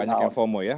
banyak yang fomo ya